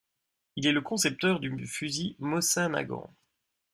Il est le concepteur du fusil Mosin-Nagant.